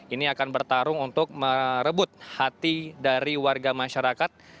ini akan bertarung untuk merebut hati dari warga masyarakat